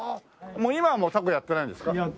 今はもう凧やってないんですか？